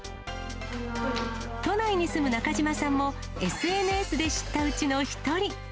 都内に住む中島さんもＳＮＳで知ったうちの１人。